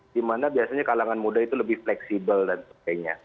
dimana biasanya kalangan muda itu lebih fleksibel dan sebagainya